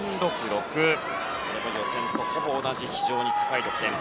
予選とほぼ同じ非常に高い得点。